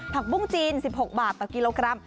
ปุ้งจีน๑๖บาทต่อกิโลกรัม